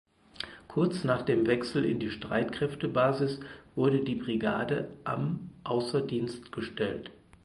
Kurz nach dem Wechsel in die Streitkräftebasis wurde die Brigade am außer Dienst gestellt.